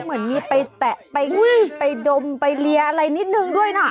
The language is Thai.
เหมือนมีไปแตะไปวิ่งไปดมไปเรียอะไรนิดนึงด้วยนะ